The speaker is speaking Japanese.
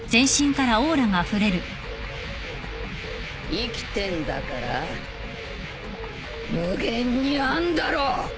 生きてんだから無限にあんだろ！